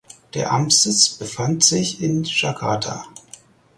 Der Amtssitz befand sich in Jakarta.